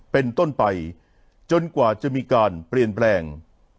เป็นต้นไปจนกว่าจะมีการเปลี่ยนแปลง